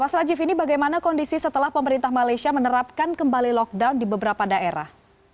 mas rajiv ini bagaimana kondisi setelah pemerintah malaysia menerapkan kembali lockdown di beberapa daerah